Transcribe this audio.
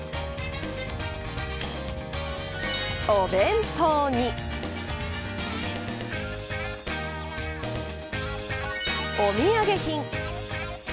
お弁当にお土産品。